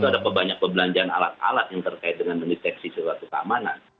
itu ada banyak perbelanjaan alat alat yang terkait dengan mengeteksi suatu keamanan